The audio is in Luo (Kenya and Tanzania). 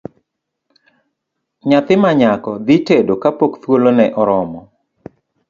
Nyathi manyako dhi tedo kapok thuolo ne oromo.